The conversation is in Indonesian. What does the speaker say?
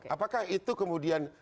apakah itu kemudian